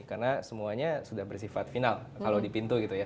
karena semuanya sudah bersifat final kalau di pintu gitu ya